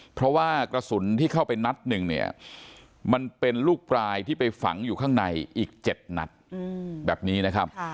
เพราะว่ากระสุนที่เข้าไปนัดหนึ่งเนี่ยมันเป็นลูกปลายที่ไปฝังอยู่ข้างในอีก๗นัดแบบนี้นะครับ